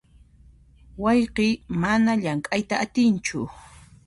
Wayqiy mana llamk'ayta atinchu.